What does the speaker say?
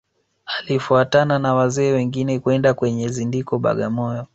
Alifuatana na wazee wengine kwenda kwenye zindiko Bagamoyo